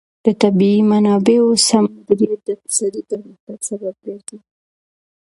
د طبیعي منابعو سم مدیریت د اقتصادي پرمختګ سبب ګرځي.